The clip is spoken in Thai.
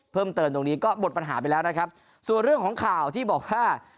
ตรงนี้ก็หมดปัญหาไปแล้วนะครับส่วนเรื่องของข่าวที่บอกว่า